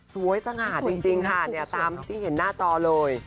สวยสงาดจริงค่ะตามคลิปที่เห็นหน้าจอเลย